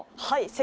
はい。